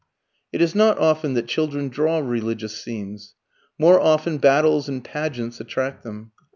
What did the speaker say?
] It is not often that children draw religious scenes. More often battles and pageants attract them.